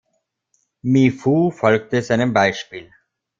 Mi Fu folgte seinem Beispiel.